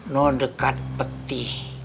nah dekat peti